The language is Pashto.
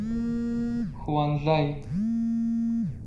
ښوونځي